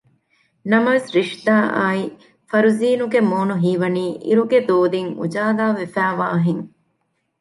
ނަމަވެސް ރިޝްދާ އާއި ފަރުޒީނުގެ މޫނު ހީވަނީ އިރުގެ ދޯދިން އުޖާލާވެފައި ވާހެން